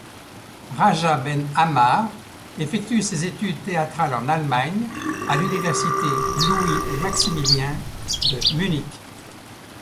Raja Ben Ammar effectue ses études théâtrales en Allemagne, à l'université Louis-et-Maximilien de Munich.